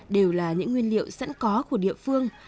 đều là những nguyên liệu sẵn có của địa phương